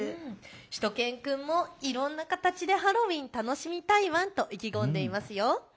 しゅと犬くんもいろんな形でハロウィーン楽しみたいワンと意気込んでいますよ。